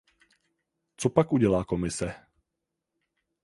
Co pak udělá Komise?